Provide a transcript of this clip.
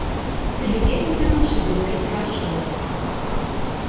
Theyya yemma acedluḥ i tɛacuṛt.